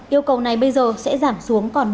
yêu cầu này bây giờ sẽ giảm xuống còn bốn năm